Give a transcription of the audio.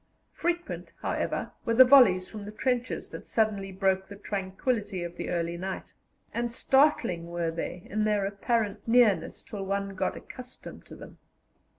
Frequent, however, were the volleys from the trenches that suddenly broke the tranquillity of the early night, and startling were they in their apparent nearness till one got accustomed to them.